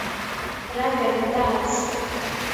Ragaņu dāds.